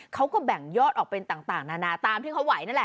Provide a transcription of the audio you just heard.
เขาก็แบ่งยอดออกเป็นต่างนานาตามที่เขาไหวนั่นแหละ